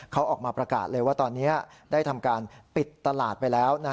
เขาออกมาประกาศเลยว่าตอนนี้ได้ทำการปิดตลาดไปแล้ว